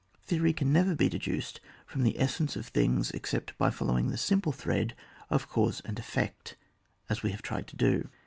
Theory can never be deduced from the essence of things except by following the simple thread of cause and effect, as we have tried to do.